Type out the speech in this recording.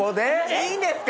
いいんですか？